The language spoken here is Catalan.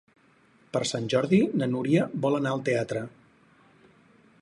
Per Sant Jordi na Núria vol anar al teatre.